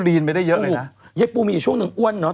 ลีนไปได้เยอะเลยนะหู้วเจ๊ปูมีช่วงหนึ่งอ้วนเนาะ